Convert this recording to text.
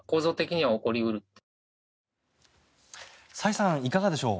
崔さんいかがでしょう。